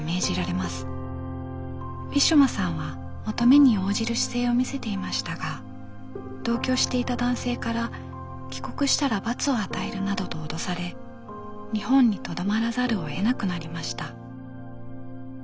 ウィシュマさんは求めに応じる姿勢を見せていましたが同居していた男性から「帰国したら罰を与える」などと脅され日本にとどまらざるをえなくなりました。